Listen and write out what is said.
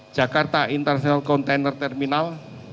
jakarta international container terminal